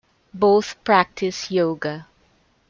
Both practice yoga.